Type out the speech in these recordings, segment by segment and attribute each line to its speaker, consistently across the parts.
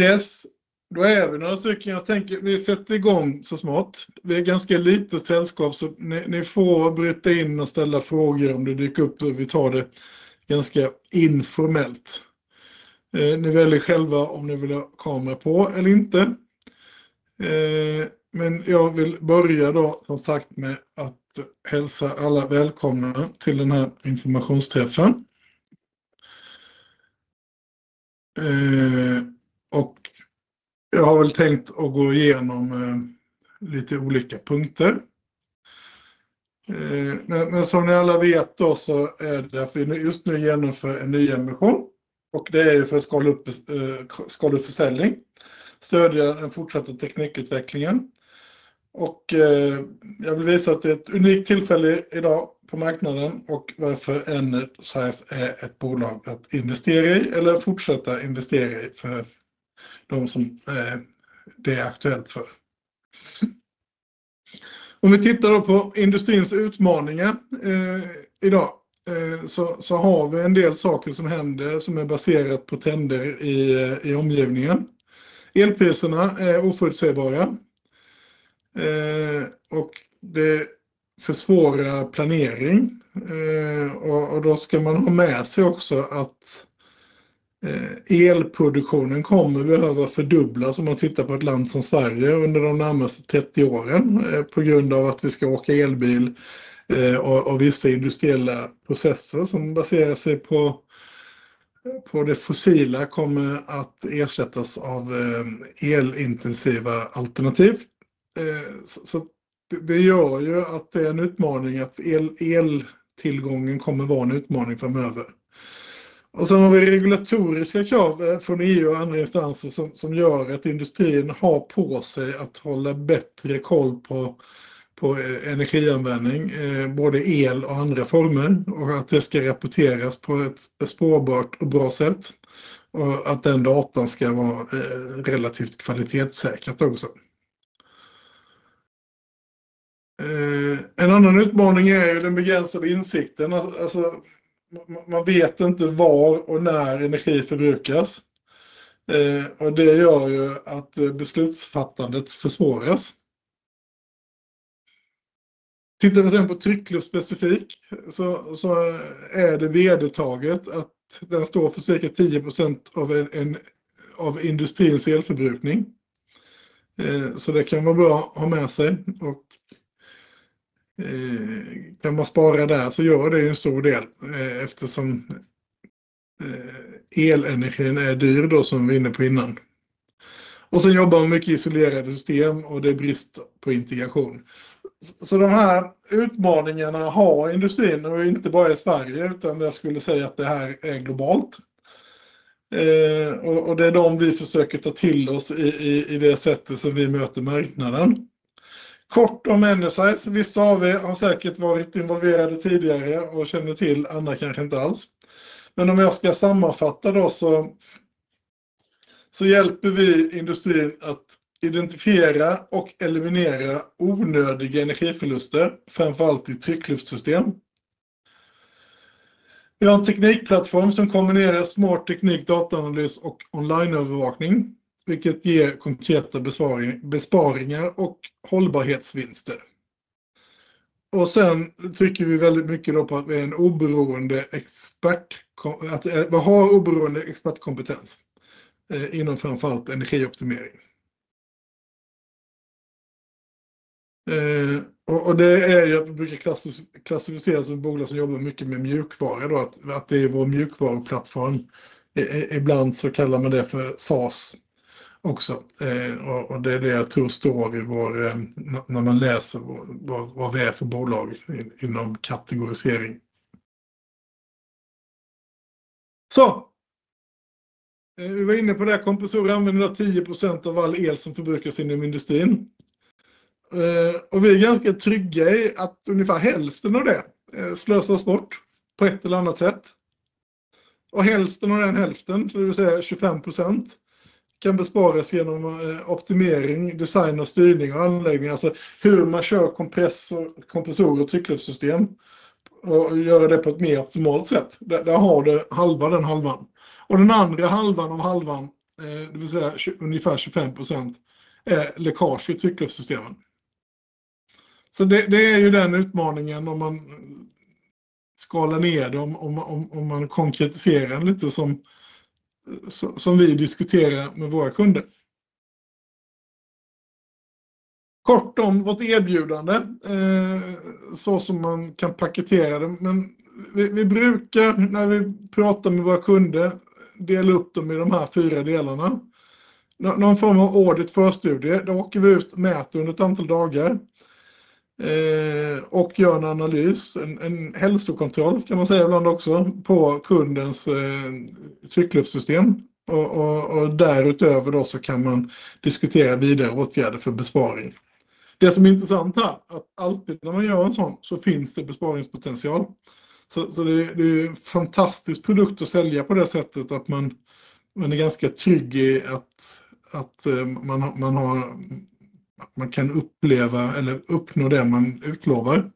Speaker 1: Ja, då är vi några stycken. Jag tänker vi sätter igång så smått. Vi är ganska litet sällskap, så ni får bryta in och ställa frågor om det dyker upp. Vi tar det ganska informellt. Ni väljer själva om ni vill ha kamera på eller inte. Men jag vill börja då, som sagt, med att hälsa alla välkomna till den här informationsträffen. Jag har väl tänkt att gå igenom lite olika punkter. Men som ni alla vet då så är det därför vi just nu genomför en nyemission, och det är ju för att skala upp försäljning, stödja den fortsatta teknikutvecklingen. Jag vill visa att det är ett unikt tillfälle idag på marknaden och varför Enersize är ett bolag att investera i eller fortsätta investera i för de som det är aktuellt för. Om vi tittar då på industrins utmaningar idag så har vi en del saker som händer som är baserat på trender i omgivningen. Elpriserna är oförutsägbara och det försvårar planering. Då ska man ha med sig också att elproduktionen kommer behöva fördubblas om man tittar på ett land som Sverige under de närmaste 30 åren på grund av att vi ska åka elbil och vissa industriella processer som baserar sig på det fossila kommer att ersättas av elintensiva alternativ. Det gör ju att det är en utmaning att eltillgången kommer vara en utmaning framöver. Och sen har vi regulatoriska krav från EU och andra instanser som gör att industrin har på sig att hålla bättre koll på energianvändning både el och andra former och att det ska rapporteras på ett spårbart och bra sätt och att den datan ska vara relativt kvalitetssäkrat också. En annan utmaning är ju den begränsade insikten. Man vet inte var och när energi förbrukas och det gör ju att beslutsfattandet försvåras. Tittar vi sen på tryckluftspecifik så är det vedertaget att den står för cirka 10% av industrins elförbrukning. Det kan vara bra att ha med sig och kan man spara där så gör det ju en stor del eftersom elenergin är dyr då som vi var inne på innan. Sen jobbar man mycket isolerade system och det är brist på integration. Så de här utmaningarna har industrin och inte bara i Sverige utan jag skulle säga att det här är globalt, och det är de vi försöker ta till oss i det sättet som vi möter marknaden. Kort om Enersize. Vissa av er har säkert varit involverade tidigare och känner till, andra kanske inte alls. Men om jag ska sammanfatta då så hjälper vi industrin att identifiera och eliminera onödiga energiförluster, framförallt i tryckluftssystem. Vi har en teknikplattform som kombinerar smart teknik, dataanalys och onlineövervakning, vilket ger konkreta besparingar och hållbarhetsvinster. Och sen trycker vi väldigt mycket då på att vi är en oberoende expert, att vi har oberoende expertkompetens inom framförallt energioptimering, och det är ju att vi brukar klassificeras som ett bolag som jobbar mycket med mjukvara då, att det är vår mjukvaruplattform. Ibland så kallar man det för SaaS också. Och det är det jag tror står i vägen när man läser vad vi är för bolag inom kategorisering. Vi var inne på det här - kompressorer använder 10% av all el som förbrukas inom industrin. Vi är ganska trygga i att ungefär hälften av det slösas bort på ett eller annat sätt. Hälften av den hälften, det vill säga 25%, kan besparas genom optimering, design och styrning av anläggning, alltså hur man kör kompressorer och tryckluftssystem och göra det på ett mer optimalt sätt. Där har du halva den halvan. Den andra halvan av halvan, det vill säga ungefär 25%, är läckage i tryckluftssystemen. Det är ju den utmaningen om man skalar ner det, om man konkretiserar den lite som vi diskuterar med våra kunder. Kort om vårt erbjudande, så som man kan paketera det. Men vi brukar, när vi pratar med våra kunder, dela upp dem i de här fyra delarna. Någon form av audit förstudie. Då åker vi ut och mäter under ett antal dagar, och gör en analys, en hälsokontroll kan man säga ibland också, på kundens tryckluftssystem. Därutöver så kan man diskutera vidare åtgärder för besparing. Det som är intressant här, att alltid när man gör en sådan så finns det besparingspotential. Det är ju en fantastisk produkt att sälja på det sättet att man är ganska trygg i att man kan uppleva eller uppnå det man utlovar.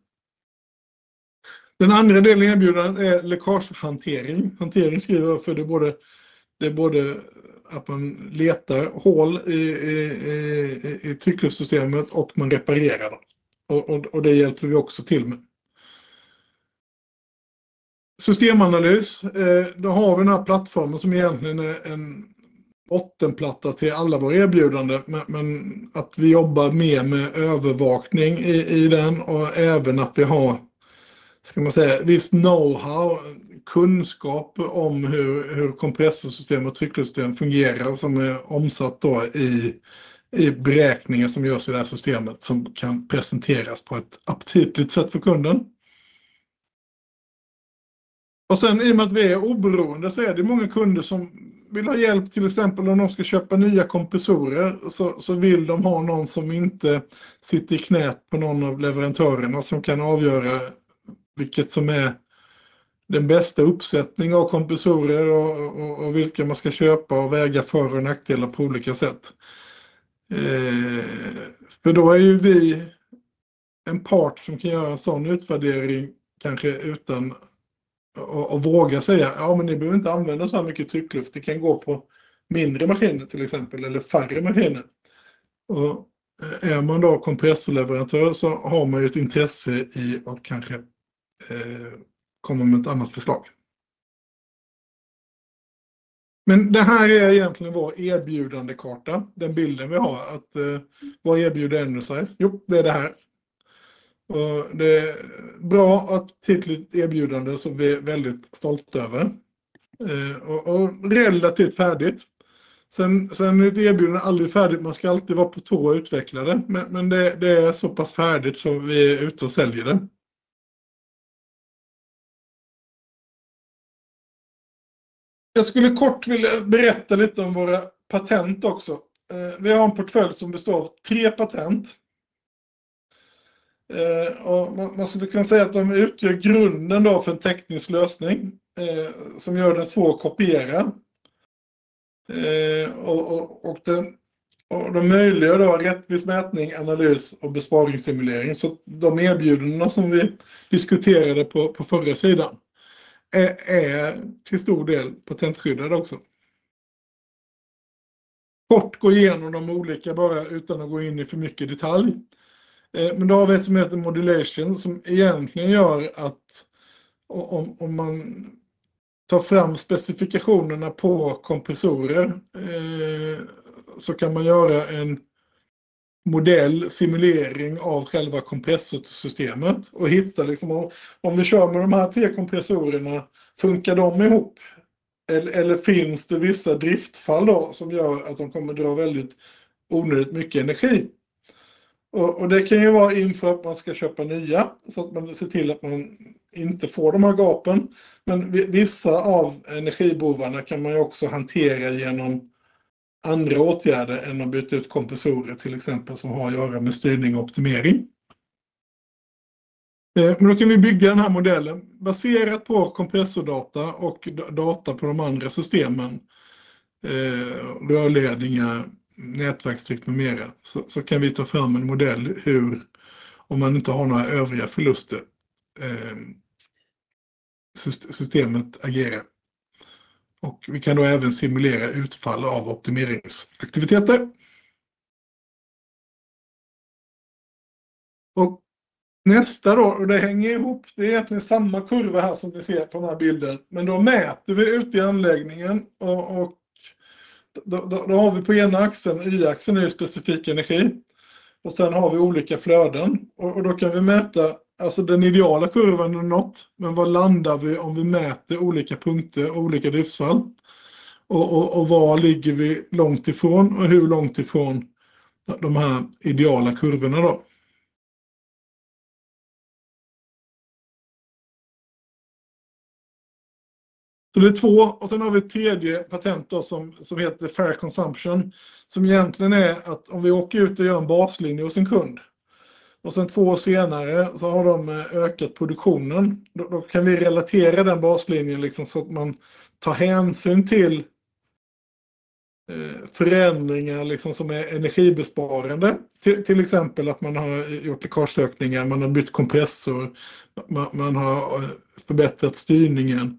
Speaker 1: Den andra delen i erbjudandet är läckagehantering. Hantering skriver för det är både att man letar hål i tryckluftssystemet och man reparerar dem. Och det hjälper vi också till med. Systemanalys. Vi har den här plattformen som egentligen är en bottenplatta till alla våra erbjudanden, men vi jobbar mer med övervakning i den och även att vi har, ska man säga, viss know-how, kunskap om hur kompressorsystem och tryckluftssystem fungerar, som är omsatt i beräkningar som görs i det här systemet som kan presenteras på ett aptitligt sätt för kunden. Och sen i och med att vi är oberoende så är det ju många kunder som vill ha hjälp, till exempel om de ska köpa nya kompressorer, så vill de ha någon som inte sitter i knät på någon av leverantörerna som kan avgöra vilket som är den bästa uppsättning av kompressorer och vilka man ska köpa och väga för och nackdelar på olika sätt. För då är ju vi en part som kan göra en sådan utvärdering kanske utan att våga säga: "Ja, men ni behöver inte använda så här mycket tryckluft, det kan gå på mindre maskiner till exempel eller färre maskiner." Och är man då kompressorleverantör så har man ju ett intresse i att kanske komma med ett annat förslag. Men det här är egentligen vår erbjudandekarta, den bilden vi har, att vad erbjuder Enersize? Jo, det är det här. Och det är bra och aptitligt erbjudande som vi är väldigt stolta över och relativt färdigt. Sen är ett erbjudande aldrig färdigt, man ska alltid vara på tå att utveckla det, men det är så pass färdigt så vi är ute och säljer det. Jag skulle kort vilja berätta lite om våra patent också. Vi har en portfölj som består av tre patent. Och man skulle kunna säga att de utgör grunden för en teknisk lösning som gör den svår att kopiera. Och de möjliggör rättvis mätning, analys och besparingssimulering. Så de erbjudanden som vi diskuterade på förra sidan är till stor del patentskyddade också. Kort gå igenom de olika bara utan att gå in i för mycket detalj. Men då har vi ett som heter Modulation som egentligen gör att om man tar fram specifikationerna på kompressorer så kan man göra en modellsimulering av själva kompressorsystemet och hitta om vi kör med de här tre kompressorerna, funkar de ihop eller finns det vissa driftfall som gör att de kommer dra väldigt onödigt mycket energi. Och det kan ju vara inför att man ska köpa nya så att man ser till att man inte får de här gapen. Men vissa av energibehovarna kan man ju också hantera genom andra åtgärder än att byta ut kompressorer, till exempel som har att göra med styrning och optimering. Men då kan vi bygga den här modellen baserat på kompressordata och data på de andra systemen, rörledningar, nätverkstryck med mera. Så kan vi ta fram en modell hur, om man inte har några övriga förluster, systemet agerar. Och vi kan då även simulera utfall av optimeringsaktiviteter. Och nästa då, och det hänger ihop, det är egentligen samma kurva här som ni ser på den här bilden, men då mäter vi ute i anläggningen och då har vi på ena axeln, y-axeln är ju specifik energi och sen har vi olika flöden och då kan vi mäta alltså den ideala kurvan eller något, men vad landar vi om vi mäter olika punkter och olika driftsfall och vad ligger vi långt ifrån och hur långt ifrån de här ideala kurvorna då. Så det är två och sen har vi ett tredje patent då som heter Fair Consumption, som egentligen är att om vi åker ut och gör en baslinje hos en kund och sen två år senare så har de ökat produktionen, då kan vi relatera den baslinjen så att man tar hänsyn till förändringar som är energibesparande, till exempel att man har gjort läckagetökningar, man har bytt kompressor, man har förbättrat styrningen.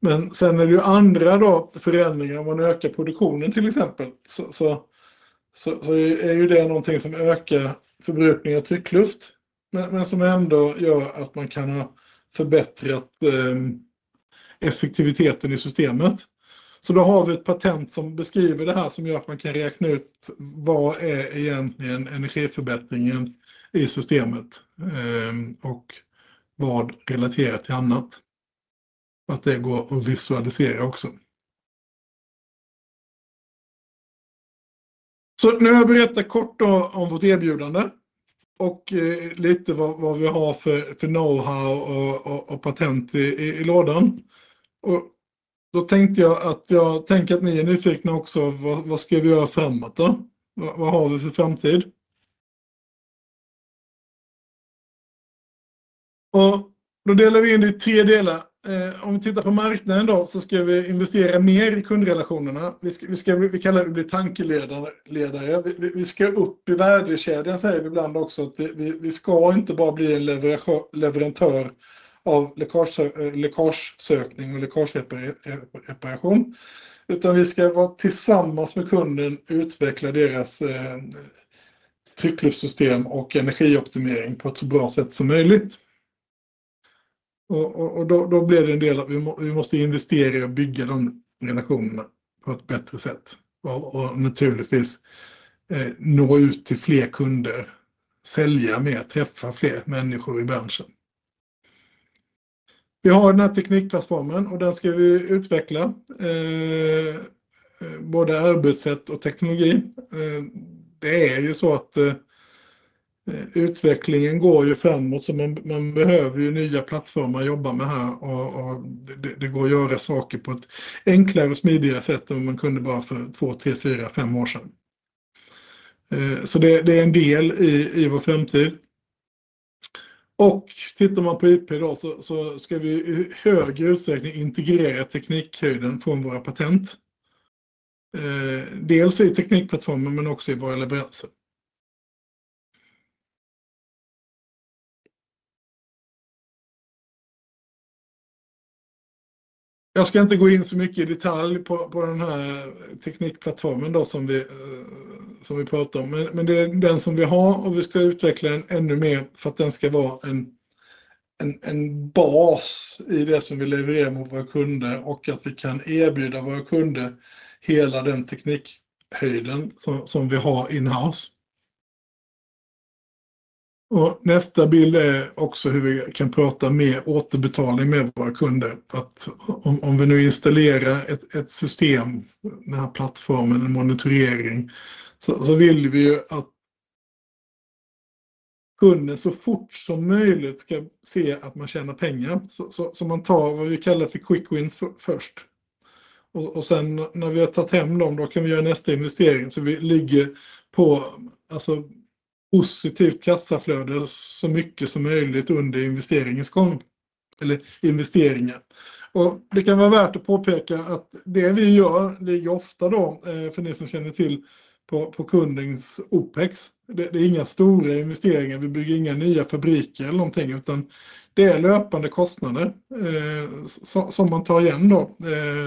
Speaker 1: Men sen är det ju andra förändringar, om man ökar produktionen till exempel, så är ju det någonting som ökar förbrukning av tryckluft, men som ändå gör att man kan ha förbättrat effektiviteten i systemet. Så då har vi ett patent som beskriver det här som gör att man kan räkna ut vad är egentligen energiförbättringen i systemet och vad relaterat till annat. Och att det går att visualisera också. Så nu har jag berättat kort då om vårt erbjudande och lite vad vi har för know-how och patent i lådan. Och då tänkte jag att ni är nyfikna också vad ska vi göra framåt då? Vad har vi för framtid? Och då delar vi in det i tre delar. Om vi tittar på marknaden då så ska vi investera mer i kundrelationerna. Vi ska, vi kallar det bli tankeledare. Vi ska upp i värdekedjan, säger vi ibland också att vi ska inte bara bli en leverantör av läckagesökning och läckagereparation, utan vi ska vara tillsammans med kunden, utveckla deras tryckluftssystem och energioptimering på ett så bra sätt som möjligt. Och då blir det en del att vi måste investera i att bygga de relationerna på ett bättre sätt och naturligtvis nå ut till fler kunder, sälja mer, träffa fler människor i branschen. Vi har den här teknikplattformen och den ska vi utveckla både arbetssätt och teknologi. Det är ju så att utvecklingen går ju framåt så man behöver ju nya plattformar att jobba med här och det går att göra saker på ett enklare och smidigare sätt än vad man kunde bara för två, tre, fyra, fem år sedan. Det är en del i vår framtid. Tittar man på IP då så ska vi i högre utsträckning integrera teknikhöjden från våra patent, dels i teknikplattformen men också i våra leveranser. Jag ska inte gå in så mycket i detalj på den här teknikplattformen som vi pratar om, men det är den som vi har och vi ska utveckla den ännu mer för att den ska vara en bas i det som vi levererar mot våra kunder och att vi kan erbjuda våra kunder hela den teknikhöjd som vi har in-house. Nästa bild är också hur vi kan prata mer återbetalning med våra kunder. Om vi nu installerar ett system, den här plattformen, en monitorering, så vill vi ju att kunden så fort som möjligt ska se att man tjänar pengar. Man tar vad vi kallar för quick wins först. Sen när vi har tagit hem dem, då kan vi göra nästa investering. Vi ligger på positivt kassaflöde så mycket som möjligt under investeringens gång eller investeringen. Det kan vara värt att påpeka att det vi gör ligger ofta på kundens Opex, det är inga stora investeringar. Vi bygger inga nya fabriker eller någonting, utan det är löpande kostnader som man tar igen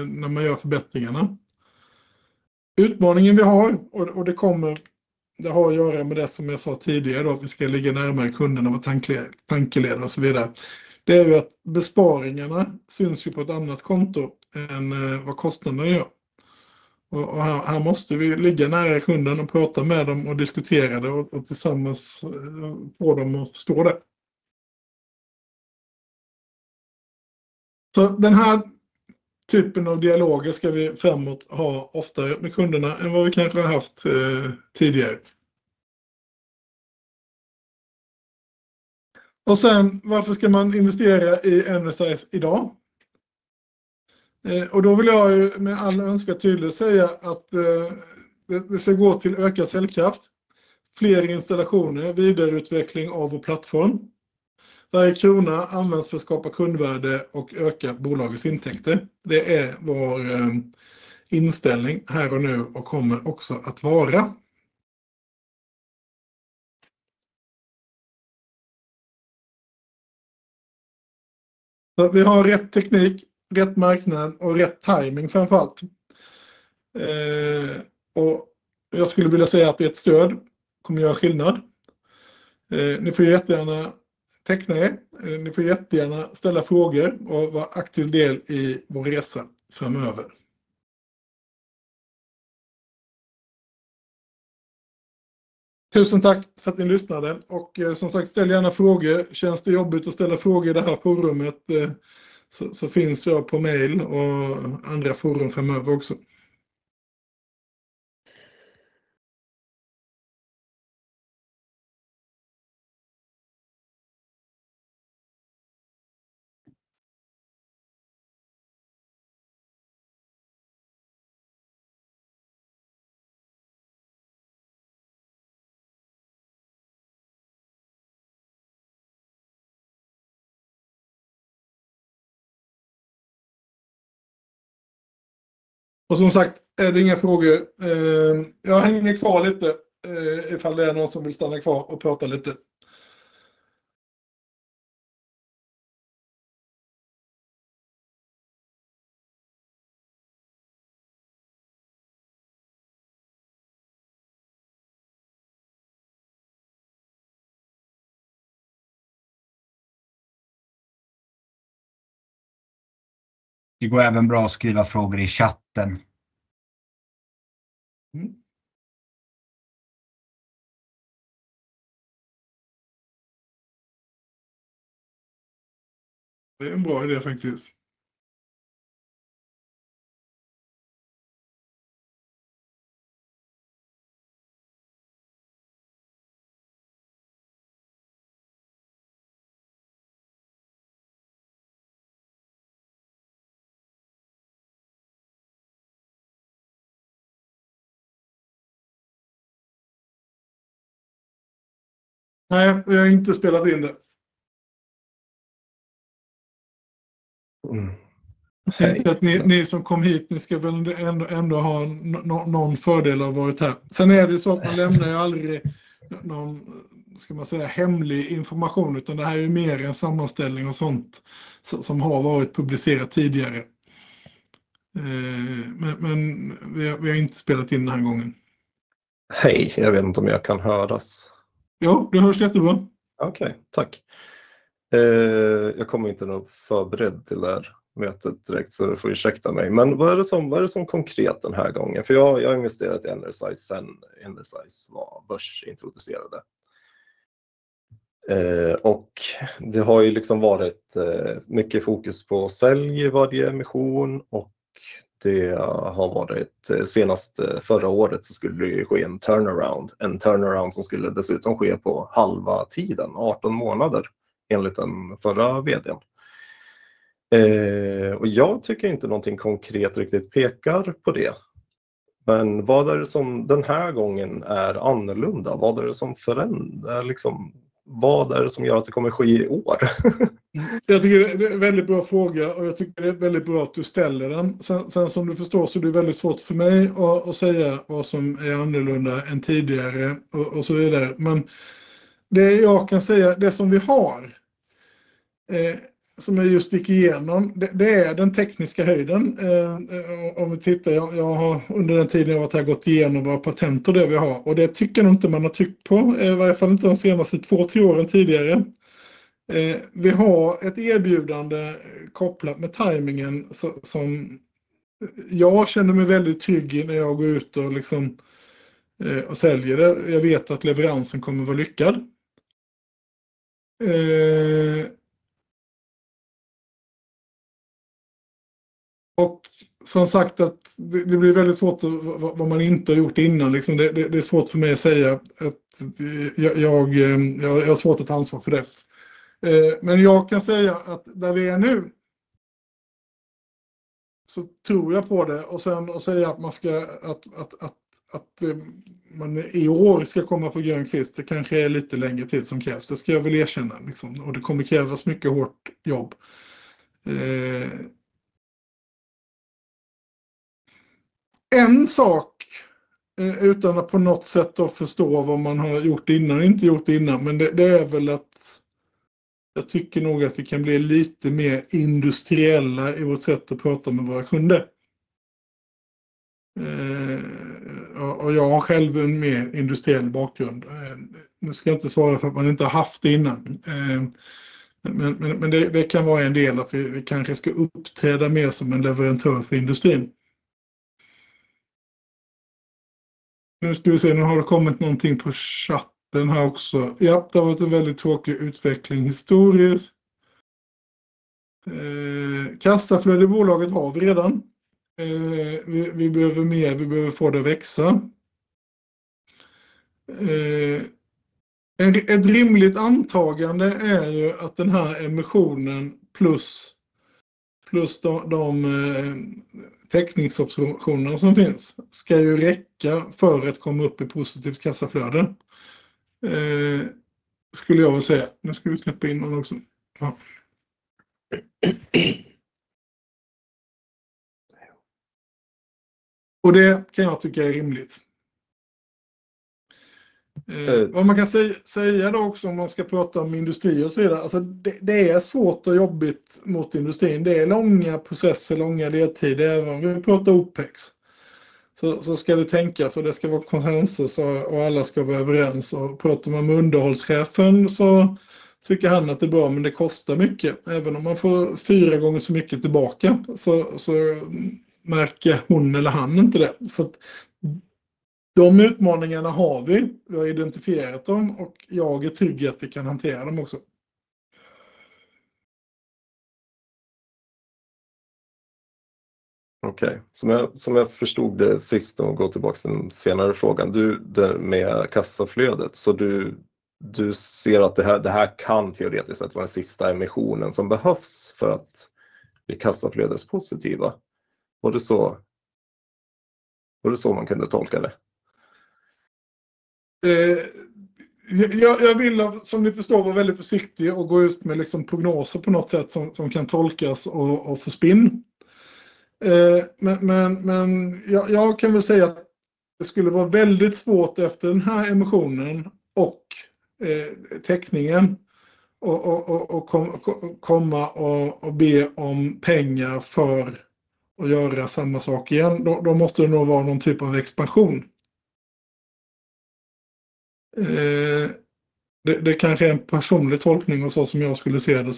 Speaker 1: när man gör förbättringarna. Utmaningen vi har, och det kommer att ha att göra med det som jag sa tidigare, att vi ska ligga närmare kunderna och vara tankeledare och så vidare, det är att besparingarna syns på ett annat konto än vad kostnaderna gör. Här måste vi ligga nära kunden och prata med dem och diskutera det och tillsammans få dem att förstå det. Så den här typen av dialoger ska vi framåt ha oftare med kunderna än vad vi kanske har haft tidigare. Sen varför ska man investera i Enersize idag? Då vill jag ju med all önskad tydlighet säga att det ska gå till ökad säljkraft, fler installationer, vidareutveckling av vår plattform. Varje krona används för att skapa kundvärde och öka bolagets intäkter. Det är vår inställning här och nu och kommer också att vara. Vi har rätt teknik, rätt marknad och rätt timing framför allt. Jag skulle vilja säga att ert stöd kommer göra skillnad. Ni får jättegärna teckna, ni får jättegärna ställa frågor och vara aktiv del i vår resa framöver. Tusen tack för att ni lyssnade och som sagt, ställ gärna frågor. Känns det jobbigt att ställa frågor i det här forumet så finns jag på mail och andra forum framöver också. Och som sagt, är det inga frågor? Jag hänger kvar lite ifall det är någon som vill stanna kvar och prata lite. Det går även bra att skriva frågor i chatten. Det är en bra idé faktiskt. Nej, jag har inte spelat in det. Så att ni som kom hit, ni ska väl ändå ha någon fördel av att ha varit här. Sen är det ju så att man lämnar ju aldrig någon, ska man säga, hemlig information, utan det här är ju mer en sammanställning och sånt som har varit publicerat tidigare. Men vi har inte spelat in den här gången. Hej, jag vet inte om jag kan höras. Jo, du hörs jättebra. Okej, tack. Jag kommer inte nog vara förberedd till det här mötet direkt, så du får ursäkta mig. Men vad är det som konkret den här gången? För jag har investerat i Enersize sen Enersize var börsintroducerade, och det har ju liksom varit mycket fokus på sälj i varje emission, och det har varit senast förra året så skulle det ju ske en turnaround. En turnaround som skulle dessutom ske på halva tiden, 18 månader, enligt den förra VD:n, och jag tycker inte någonting konkret riktigt pekar på det. Men vad är det som den här gången är annorlunda? Vad är det som förändrar liksom? Vad är det som gör att det kommer ske i år? Jag tycker det är en väldigt bra fråga, och jag tycker det är väldigt bra att du ställer den. Sen som du förstår så är det ju väldigt svårt för mig att säga vad som är annorlunda än tidigare och så vidare. Men det jag kan säga, det som vi har, som jag just gick igenom, det är den tekniska höjden. Om vi tittar, jag har under den tiden jag varit här gått igenom våra patent och det vi har, och det tycker jag nog inte man har tyckt på, i varje fall inte de senaste två, tre åren tidigare. Vi har ett erbjudande kopplat med timingen som jag känner mig väldigt trygg i när jag går ut och säljer det. Jag vet att leveransen kommer vara lyckad. Som sagt att det blir väldigt svårt att vad man inte har gjort innan, det är svårt för mig att säga att jag har svårt att ta ansvar för det. Men jag kan säga att där vi är nu så tror jag på det, och sen att säga att man ska att man i år ska komma på grönkvist, det kanske är lite längre tid som krävs, det ska jag väl erkänna, liksom, och det kommer krävas mycket hårt jobb. En sak utan att på något sätt då förstå vad man har gjort innan och inte gjort innan, men det är väl att jag tycker nog att vi kan bli lite mer industriella i vårt sätt att prata med våra kunder. Och jag har själv en mer industriell bakgrund, nu ska jag inte svara för att man inte har haft det innan. Men det kan vara en del att vi kanske ska uppträda mer som en leverantör för industrin. Nu ska vi se, nu har det kommit någonting på chatten här också. Ja, det har varit en väldigt tråkig utveckling historiskt. Kassaflödesbolaget har vi redan. Vi behöver mer, vi behöver få det att växa. Ett rimligt antagande är ju att den här emissionen plus de tekniska observationerna som finns ska ju räcka för att komma upp i positivt kassaflöde, skulle jag väl säga. Nu ska vi släppa in någon också. Ja, och det kan jag tycka är rimligt. Vad man kan säga då också om man ska prata om industri och så vidare, alltså det är svårt och jobbigt mot industrin. Det är långa processer, långa ledtider, även om vi pratar Opex. Så ska det tänkas, och det ska vara konsensus, och alla ska vara överens. Pratar man med underhållschefen så tycker han att det är bra, men det kostar mycket. Även om man får fyra gånger så mycket tillbaka så märker hon eller han inte det. Så de utmaningarna har vi, vi har identifierat dem, och jag är trygg i att vi kan hantera dem också. Okej, som jag förstod det sist, och gå tillbaka till den senare frågan, du det med kassaflödet, så du ser att det här kan teoretiskt sett vara den sista emissionen som behövs för att bli kassaflödespositiva. Var det så? Var det så man kunde tolka det? Jag vill, som ni förstår, vara väldigt försiktig och gå ut med prognoser på något sätt som kan tolkas och få spinn. Men jag kan väl säga att det skulle vara väldigt svårt efter den här emissionen och täckningen och komma och be om pengar för att göra samma sak igen. Då måste det nog vara någon typ av expansion. Det kanske är en personlig tolkning och så som jag skulle se det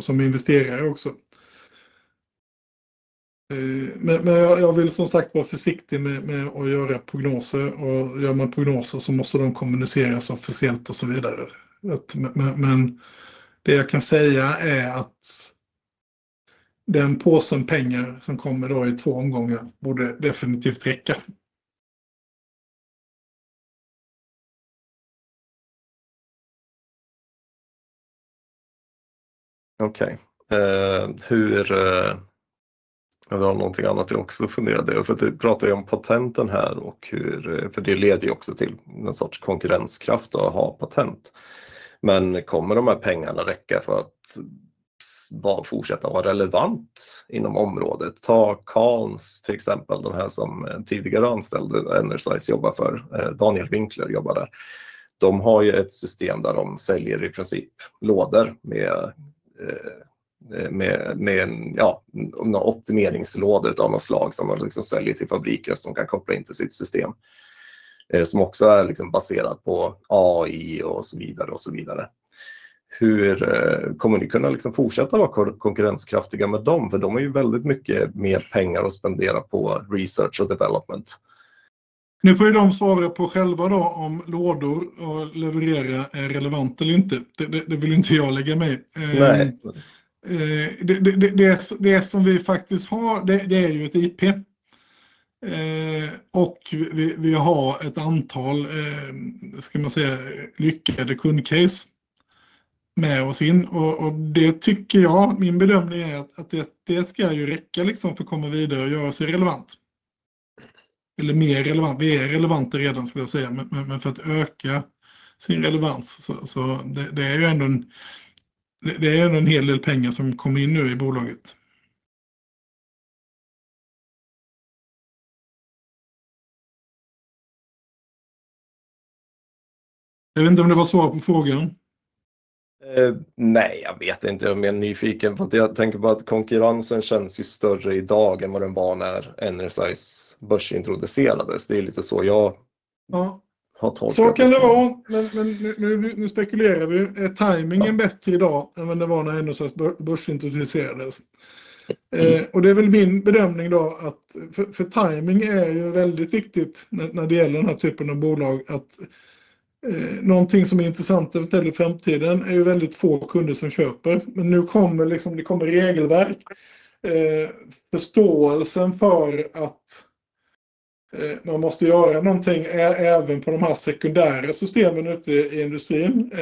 Speaker 1: som investerare också. Men jag vill som sagt vara försiktig med att göra prognoser, och gör man prognoser så måste de kommuniceras officiellt och så vidare. Men det jag kan säga är att den påsen pengar som kommer då i två omgångar borde definitivt räcka. Okej, hur om det var någonting annat jag också funderade på, för att vi pratar ju om patenten här och hur, för det leder ju också till någon sorts konkurrenskraft att ha patent. Men kommer de här pengarna räcka för att bara fortsätta vara relevant inom området? Ta Kaans till exempel, de här som tidigare anställda Enersize jobbar för, Daniel Winkler jobbar där. De har ju ett system där de säljer i princip lådor med optimeringslådor av något slag som de säljer till fabriker som de kan koppla in till sitt system, som också är baserat på AI och så vidare och så vidare. Hur kommer ni kunna fortsätta vara konkurrenskraftiga med dem? För de har ju väldigt mycket mer pengar att spendera på research och development. Nu får ju de svara på själva då om lådor och leverera är relevant eller inte. Det vill ju inte jag lägga mig i. Nej, det är som vi faktiskt har, det är ju ett IP. Och vi har ett antal, ska man säga, lyckade kundcase med oss in, och det tycker jag, min bedömning är att det ska ju räcka liksom för att komma vidare och göra sig relevant. Eller mer relevant, vi är relevanta redan skulle jag säga, men för att öka sin relevans så det är ju ändå en hel del pengar som kommer in nu i bolaget. Jag vet inte om det var svar på frågan. Nej, jag vet inte om jag är nyfiken, för att jag tänker bara att konkurrensen känns ju större idag än vad den var när Enersize börsintroducerades. Det är lite så jag har tolkat det. Så kan det vara, men nu spekulerar vi, är timingen bättre idag än vad den var när Enersize börsintroducerades? Och det är väl min bedömning då, att för timing är ju väldigt viktigt när det gäller den här typen av bolag, att någonting som är intressant att berätta i framtiden är ju väldigt få kunder som köper. Men nu kommer liksom, det kommer regelverk, förståelsen för att man måste göra någonting är även på de här sekundära systemen ute i industrin,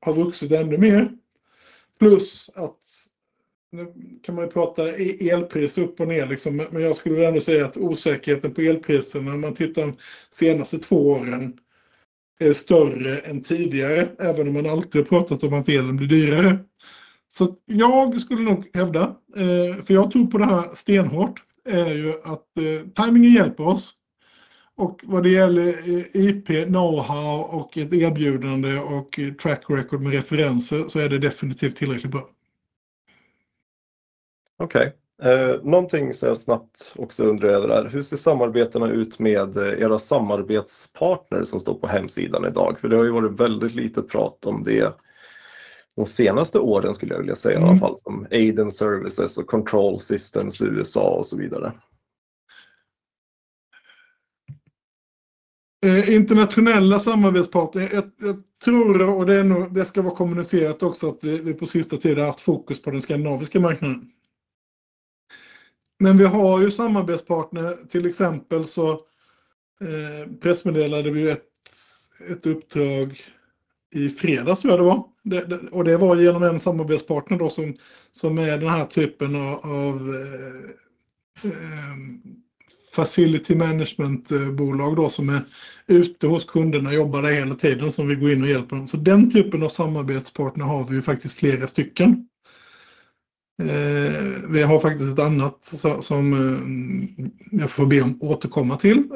Speaker 1: har vuxit ännu mer. Plus att nu kan man ju prata elpris upp och ner liksom, men jag skulle väl ändå säga att osäkerheten på elpriserna när man tittar de senaste två åren är större än tidigare, även om man alltid har pratat om att elen blir dyrare. Så att jag skulle nog hävda, för jag tror på det här stenhårt, är ju att timingen hjälper oss. Och vad det gäller IP, know-how och ett erbjudande och track record med referenser så är det definitivt tillräckligt bra. Okej, någonting som jag snabbt också undrar över är, hur ser samarbetena ut med era samarbetspartners som står på hemsidan idag? För det har ju varit väldigt lite prat om det de senaste åren skulle jag vilja säga i alla fall, som Aiden Services och Control Systems USA och så vidare. Internationella samarbetspartners, jag tror, och det är nog det ska vara kommunicerat också, att vi på sista tiden har haft fokus på den skandinaviska marknaden. Men vi har ju samarbetspartners, till exempel så pressmeddelade vi ju ett uppdrag i fredags tror jag det var, och det var genom en samarbetspartner då som är den här typen av facility management-bolag då som är ute hos kunderna och jobbar där hela tiden och som vi går in och hjälper dem. Så den typen av samarbetspartner har vi ju faktiskt flera stycken. Vi har faktiskt ett annat som jag får be om återkomma till,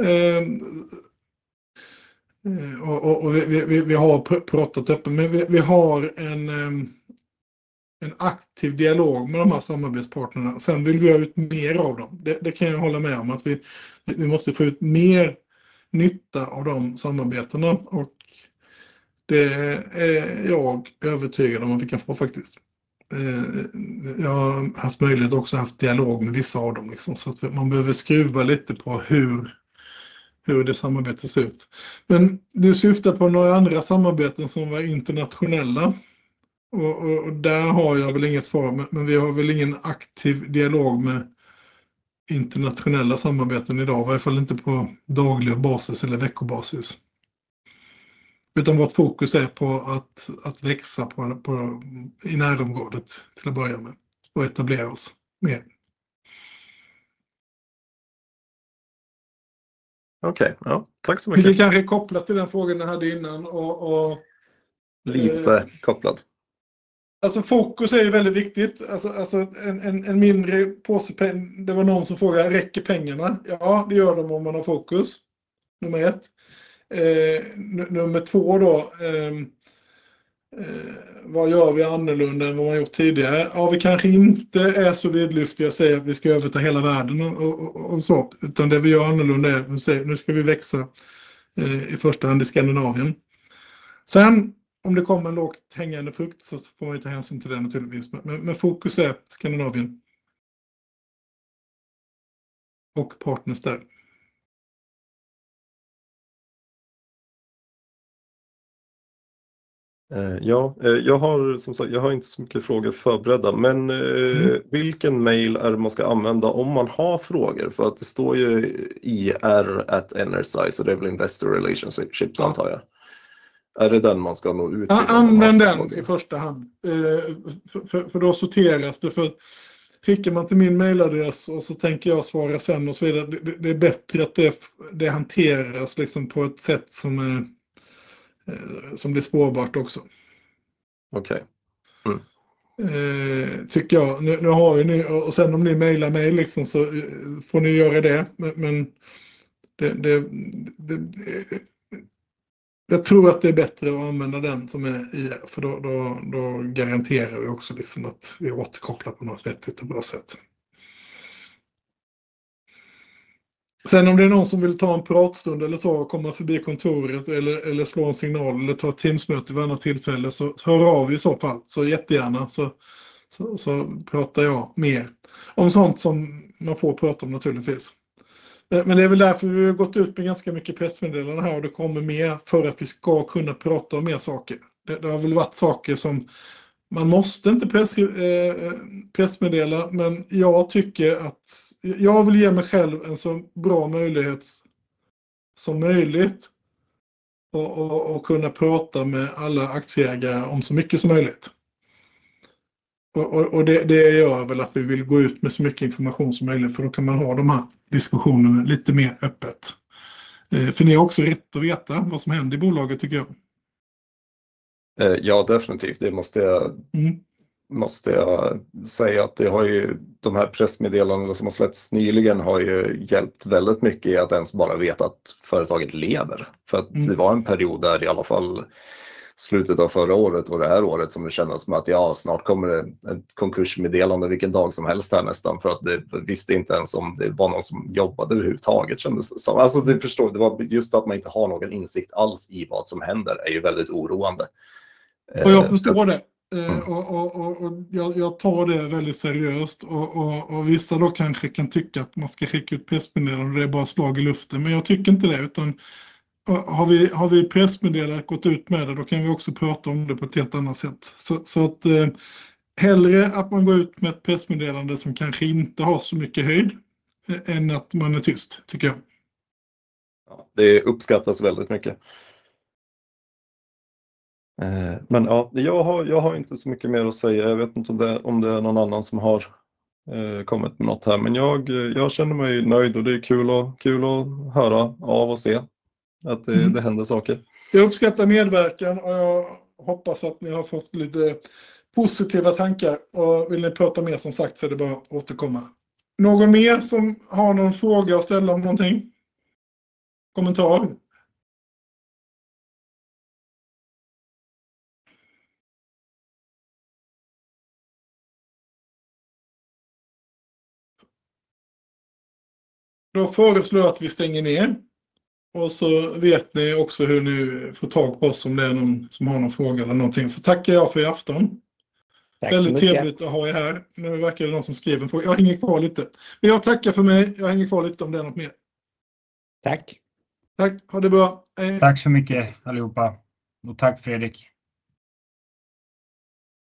Speaker 1: och vi har pratat öppet, men vi har en aktiv dialog med de här samarbetspartnerna. Sen vill vi ha ut mer av dem, det kan jag hålla med om, att vi måste få ut mer nytta av de samarbetena, och det är jag övertygad om att vi kan få faktiskt. Jag har haft möjlighet också att ha haft dialog med vissa av dem, så att man behöver skruva lite på hur det samarbetet ser ut. Men du syftar på några andra samarbeten som var internationella, och där har jag väl inget svar, men vi har väl ingen aktiv dialog med internationella samarbeten idag, i varje fall inte på daglig basis eller veckobasis. Utan vårt fokus är på att växa i närområdet till att börja med och etablera oss mer. Okej, ja tack så mycket. Det kanske är kopplat till den frågan ni hade innan, och lite kopplat. Fokus är ju väldigt viktigt, en mindre påse pengar, det var någon som frågade, räcker pengarna? Ja, det gör de om man har fokus, nummer ett. Nummer två då, vad gör vi annorlunda än vad man gjort tidigare? Ja, vi kanske inte är så vidlyftiga att säga att vi ska överta hela världen och så, utan det vi gör annorlunda är att vi säger, nu ska vi växa i första hand i Skandinavien. Sen om det kommer en lågt hängande frukt så får man ju ta hänsyn till det naturligtvis, men fokus är Skandinavien och partners där. Ja, jag har som sagt, jag har inte så mycket frågor förberedda, men vilken mail är det man ska använda om man har frågor? För att det står ju ir@nrsize.se, så det är väl investor relations antar jag. Är det den man ska nå ut till? Använd den i första hand, för då sorterar jag det, för skickar man till min mailadress och så tänker jag svara sen och så vidare. Det är bättre att det hanteras på ett sätt som blir spårbart också, tycker jag. Nu har ju ni, och sen om ni mailar mig så får ni göra det, men det tror jag att det är bättre att använda den som är, för då garanterar vi också att vi återkopplar på något vettigt och bra sätt. Sen om det är någon som vill ta en pratstund eller så och komma förbi kontoret eller slå en signal eller ta ett teamsmöte vid andra tillfälle så hör av i så fall, så jättegärna, så pratar jag mer om sånt som man får prata om naturligtvis. Men det är väl därför vi har gått ut med ganska mycket pressmeddelanden här och det kommer mer för att vi ska kunna prata om mer saker. Det har väl varit saker som man inte måste pressmeddela, men jag tycker att jag vill ge mig själv en så bra möjlighet som möjligt och kunna prata med alla aktieägare om så mycket som möjligt. Det gör väl att vi vill gå ut med så mycket information som möjligt, för då kan man ha de här diskussionerna lite mer öppet, för ni har också rätt att veta vad som händer i bolaget tycker jag. Ja definitivt, det måste jag säga att det har de här pressmeddelandena som har släppts nyligen har hjälpt väldigt mycket i att ens bara veta att företaget lever, för att det var en period där i slutet av förra året och det här året som det kändes som att snart kommer det ett konkursmeddelande vilken dag som helst här nästan, för att det visste inte ens om det var någon som jobbade överhuvudtaget kändes det som. Det förstår jag, det var just att man inte har någon insikt alls i vad som händer är väldigt oroande. Och jag förstår det, och jag tar det väldigt seriöst och vissa då kanske kan tycka att man ska skicka ut pressmeddelanden, det är bara slag i luften, men jag tycker inte det, utan har vi pressmeddelande gått ut med det, då kan vi också prata om det på ett helt annat sätt. Så att hellre att man går ut med ett pressmeddelande som kanske inte har så mycket höjd än att man är tyst tycker jag. Ja, det uppskattas väldigt mycket. Men ja jag har inte så mycket mer att säga, jag vet inte om det är någon annan som har kommit med något här, men jag känner mig nöjd och det är kul att höra av och se att det händer saker. Jag uppskattar medverkan och jag hoppas att ni har fått lite positiva tankar, och vill ni prata mer som sagt så är det bara att återkomma. Någon mer som har någon fråga att ställa om någonting? Kommentar? Då föreslår jag att vi stänger ner och så vet ni också hur ni får tag på oss om det är någon som har någon fråga eller någonting, så tackar jag för i afton. Tack så mycket. Väldigt trevligt att ha här, nu verkar det någon som skriver en fråga, jag hänger kvar lite. Men jag tackar för mig, jag hänger kvar lite om det är något mer. Tack. Tack, ha det bra. Tack så mycket allihopa och tack Fredrik.